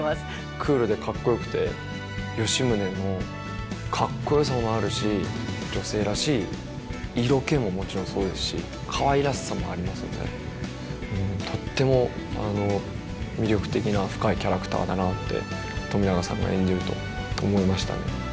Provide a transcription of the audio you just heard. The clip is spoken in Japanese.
クールでかっこよくて吉宗のかっこよさもあるし女性らしい色気ももちろんそうですしかわいらしさもありますのでとっても魅力的な深いキャラクターだなって冨永さんが演じると思いましたね。